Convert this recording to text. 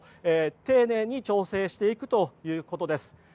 丁寧に調整していくということです。